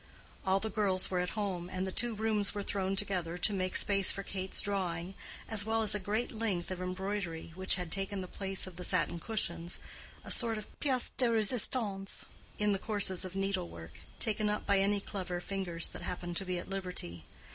All the girls were at home, and the two rooms were thrown together to make space for Kate's drawing, as well as a great length of embroidery which had taken the place of the satin cushions—a sort of pièce de résistance in the courses of needlework, taken up by any clever fingers that happened to be at liberty.